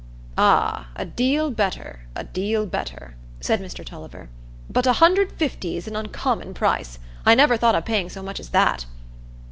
"Ah, a deal better—a deal better," said Mr Tulliver; "but a hundred and fifty's an uncommon price. I never thought o' paying so much as that."